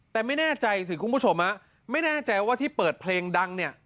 แต่ไม่แน่ใจสิคุณผู้ชมไม่แน่ใจว่าที่เปิดเพลงดังเนี่ย